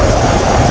itu udah gila